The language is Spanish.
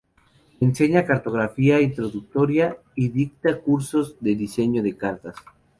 Enseña cartografía introductoria y dicta cursos de diseño de cartas.